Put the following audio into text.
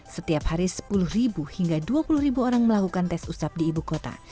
setiap hari sepuluh hingga dua puluh orang melakukan tes usap di ibu kota